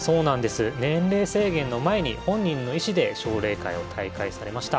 年齢制限の前に本人の意志で奨励会を退会されました。